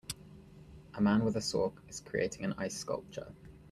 A man with a saw is creating an ice sculpture.